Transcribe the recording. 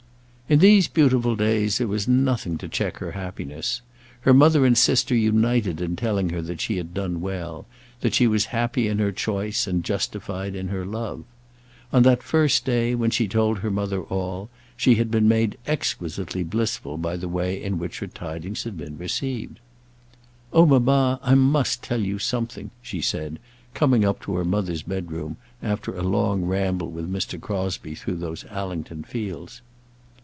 In these beautiful days there was nothing to check her happiness. Her mother and sister united in telling her that she had done well, that she was happy in her choice, and justified in her love. On that first day, when she told her mother all, she had been made exquisitely blissful by the way in which her tidings had been received. "Oh! mamma, I must tell you something," she said, coming up to her mother's bedroom, after a long ramble with Mr. Crosbie through those Allington fields.